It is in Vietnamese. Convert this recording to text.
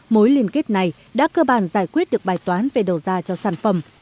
mối liên kết này đã cơ bản giải quyết được bài toán về đầu ra cho sản phẩm